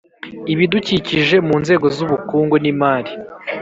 ibidukikije mu nzego zubukungu nimari